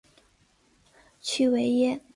屈维耶。